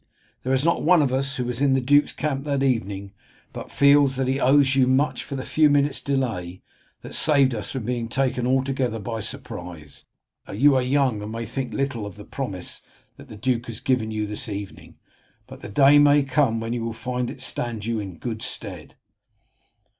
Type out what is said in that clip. There is not one of us who was in the duke's camp that evening but feels that he owes you much for the few minutes' delay that saved us from being taken altogether by surprise. You are young, and may think but little of the promise the duke has given you this evening, but the day may come when you will find it stand you in good stead."